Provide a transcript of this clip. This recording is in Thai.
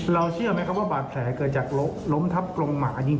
เชื่อไหมครับว่าบาดแผลเกิดจากล้มทับกรงหมายิง